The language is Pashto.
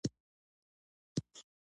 مطیع الله مایار بازار کی کار کا